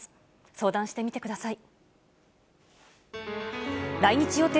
相談してみてください。